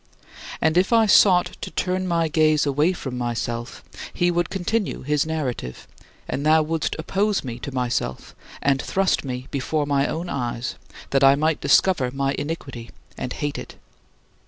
And if I sought to turn my gaze away from myself, he would continue his narrative, and thou wouldst oppose me to myself and thrust me before my own eyes that I might discover my iniquity and hate it.